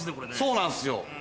そうなんすよ。